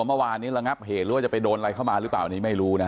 เมื่อวานนี้ระงับเหตุหรือว่าจะไปโดนอะไรเข้ามาหรือเปล่าอันนี้ไม่รู้นะ